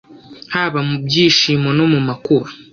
haba mu byishimo no mumakuba